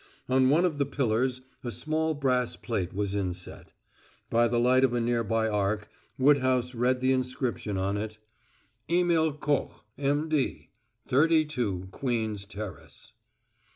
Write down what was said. On one of the pillars a small brass plate was inset. By the light of a near by arc, Woodhouse read the inscription on it: EMIL KOCH, M.D., 32 Queen's Terrace.